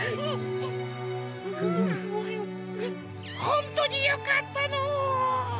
ほんとによかったのう。